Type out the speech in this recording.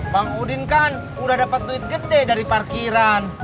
bang udin kan udah dapat duit gede dari parkiran